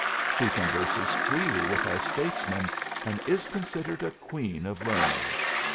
She converses freely with our statesmen and is considered a queen of learning.